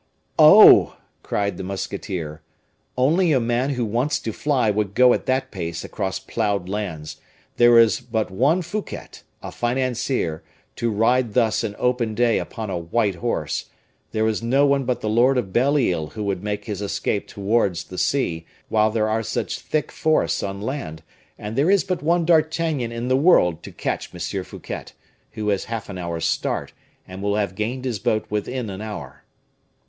"Oh!" cried the musketeer, "only a man who wants to fly would go at that pace across plowed lands; there is but one Fouquet, a financier, to ride thus in open day upon a white horse; there is no one but the lord of Belle Isle who would make his escape towards the sea, while there are such thick forests on land, and there is but one D'Artagnan in the world to catch M. Fouquet, who has half an hour's start, and who will have gained his boat within an hour."